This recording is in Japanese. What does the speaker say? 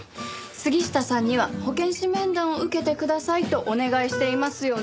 杉下さんには保健師面談を受けてくださいとお願いしていますよね。